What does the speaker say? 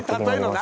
何？